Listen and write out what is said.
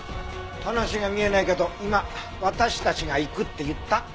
話が見えないけど今私たちが行くって言った？